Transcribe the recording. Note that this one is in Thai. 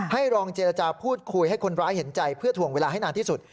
ให้ลองเจรจาพูดคุยให้คนร้ายเห็นใจเพื่อถ่วงเวลาให้นานที่สุด